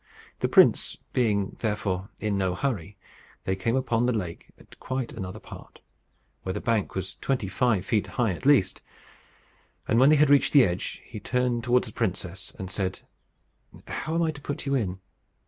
The prince being therefore in no hurry, they came upon the lake at quite another part, where the bank was twenty five feet high at least; and when they had reached the edge, he turned towards the princess, and said, "How am I to put you in?"